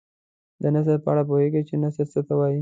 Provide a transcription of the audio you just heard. د نثر په اړه پوهیږئ چې نثر څه ته وايي.